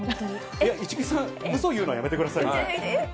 市來さん、うそ言うのやめて全然全然。